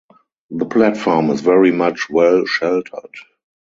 The platform is very much well sheltered.